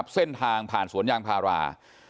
เส้นทางผ่านสวนยางพารา